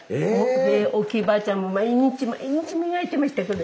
でおっきいばあちゃんも毎日毎日磨いてましたこれ。